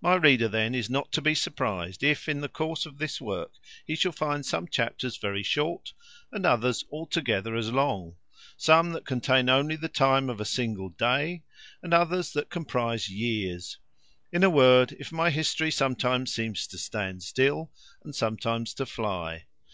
My reader then is not to be surprized, if, in the course of this work, he shall find some chapters very short, and others altogether as long; some that contain only the time of a single day, and others that comprise years; in a word, if my history sometimes seems to stand still, and sometimes to fly.